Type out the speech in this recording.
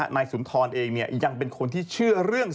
นายสุนทรเองยังเป็นคนที่เชื่อเรื่อง